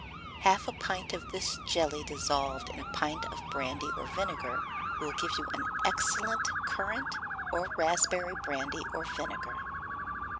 Half a pint of this jelly dissolved in a pint of brandy or vinegar will give you an excellent currant or raspberry brandy or vinegar.